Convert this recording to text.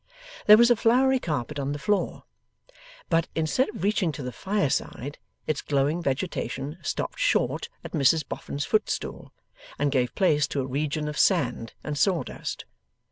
There was a flowery carpet on the floor; but, instead of reaching to the fireside, its glowing vegetation stopped short at Mrs Boffin's footstool, and gave place to a region of sand and sawdust.